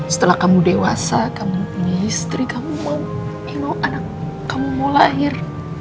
setelah kamu dewasa kamu punya istri kamu mau anak kamu mau lahir